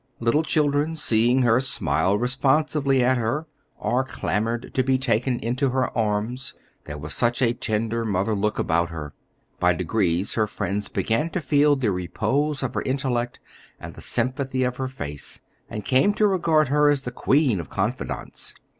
Little children, seeing her, smiled responsively at her, or clamored to be taken into her arms, there was such a tender mother look about her. By degrees her friends began to feel the repose of her intellect and the sympathy of her face, and came to regard her as the queen of confidantes.